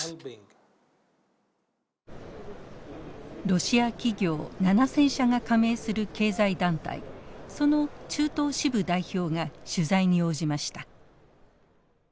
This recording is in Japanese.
ロシア企業７，０００社が加盟する経済団体その中東支部代表が取材に応じました。